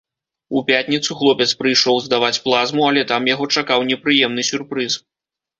У пятніцу хлопец прыйшоў здаваць плазму, але там яго чакаў непрыемны сюрпрыз.